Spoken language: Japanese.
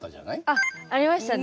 あっありましたね。ね。